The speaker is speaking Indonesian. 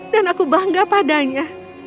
dan aku bangga padanya